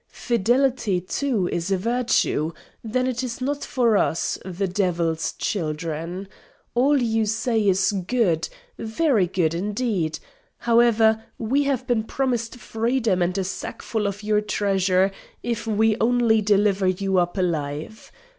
Fidelity, too, is a virtue then it is not for us, the Devil's children! All you say is good very good indeed. However, we have been promised freedom and a sackful of your treasure if we only deliver you up alive.